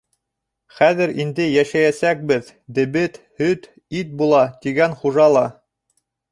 Хәҙер инде йәшәйәсәкбеҙ, дебет, һөт, ит була, тигән хужа ла.